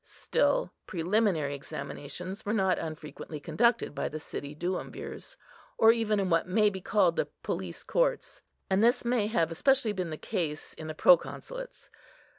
Still, preliminary examinations were not unfrequently conducted by the city Duumvirs, or even in what may be called the police courts. And this may have especially been the case in the Proconsulates.